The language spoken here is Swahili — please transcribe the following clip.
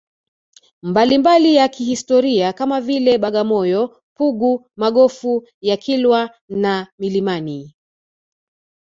mbalimbali ya kihistoria kama vile Bagamoyo Pugu Magofu ya Kilwa na milimani